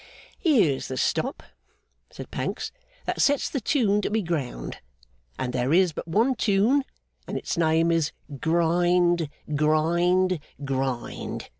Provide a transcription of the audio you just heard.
'Here's the Stop,' said Pancks, 'that sets the tune to be ground. And there is but one tune, and its name is Grind, Grind, Grind!